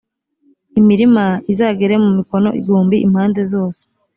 imirima izagere mu mikono igihumbi impande zose.